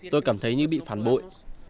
tôi cảm thấy như bị phản bội